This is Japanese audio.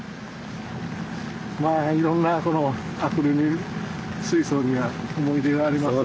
まあいろんなこのアクリル水槽には思い出がありますから。